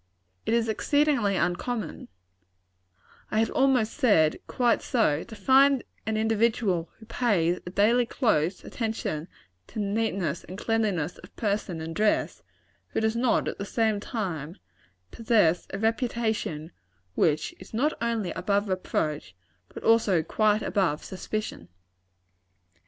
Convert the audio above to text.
It is exceedingly uncommon I had almost said, quite so to find an individual who pays a daily close attention to neatness and cleanliness of person and dress, who does not, at the same time, possess a reputation which is not only above reproach, but also quite above suspicion.